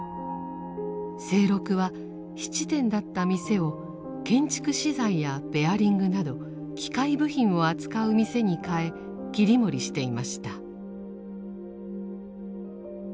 清六は質店だった店を建築資材やベアリングなど機械部品を扱う店に変え切り盛りしていました。